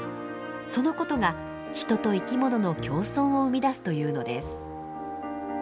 そのことが人と生き物の共存を生み出すというのです。